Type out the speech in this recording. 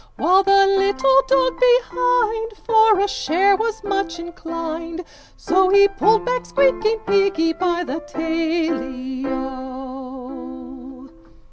While the little dog behind, For a share was much inclined, So he pulled back squeaking piggy by the taily O!